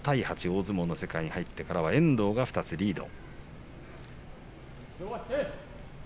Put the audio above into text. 大相撲の世界に入ってから遠藤が２つリード。